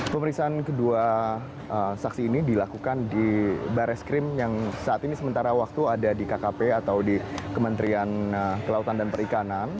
pemeriksaan kedua saksi ini dilakukan di barreskrim yang saat ini sementara waktu ada di kkp atau di kementerian kelautan dan perikanan